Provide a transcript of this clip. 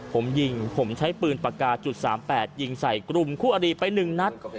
ผมยิงผมใช้ปืนปากกาจุดสามแปดยิงใส่กลุ่มคู่อดีตไปหนึ่งนัด